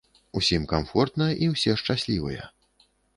Усім камфортна і ўсе шчаслівыя.